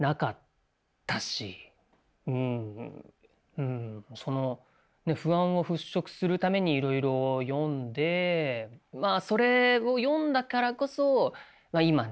うんその不安を払拭するためにいろいろ読んでまあそれを読んだからこそ今ね